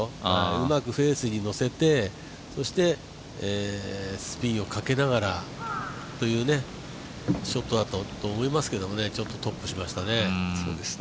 うまくフェースに乗せてスピンをかけながらというショットだと思いますけどストップしましたね。